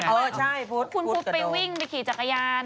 เออใช่พุทธกระโดนคุณพุทธไปวิ่งไปขี่จักรยาน